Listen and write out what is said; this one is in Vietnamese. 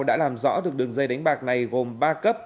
đã làm rõ được đường dây đánh bạc này gồm ba cấp